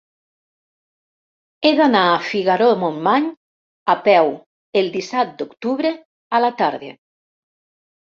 He d'anar a Figaró-Montmany a peu el disset d'octubre a la tarda.